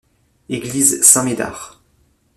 Église Saint-Médard.